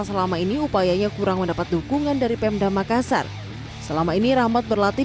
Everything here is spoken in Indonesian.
selama ini upayanya kurang mendapat dukungan dari pemda makassar selama ini rahmat berlatih